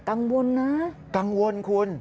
กังวลนะกังวลคุณ